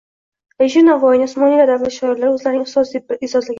Alisher Navoiyni Usmoniylar davlati shoirlari o‘zlarining ustozi deb e’zozlaganlar